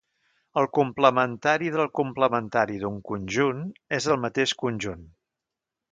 El complementari del complementari d'un conjunt és el mateix conjunt.